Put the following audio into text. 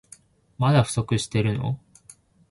まだ不足してるの？